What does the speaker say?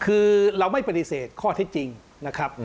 คือเราไม่ปฏิเสธข้อเท็จจริงนะครับ